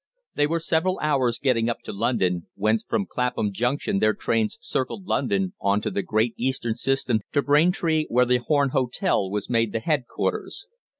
They were several hours getting up to London, whence from Clapham Junction their trains circled London on to the Great Eastern system to Braintree, where the Horn Hotel was made the headquarters.